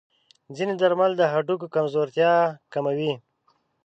ځینې درمل د هډوکو کمزورتیا کموي.